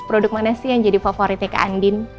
produk mana sih yang jadi favoritnya kak andien